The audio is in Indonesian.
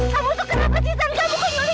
kamu kejulih ke aku sih kamu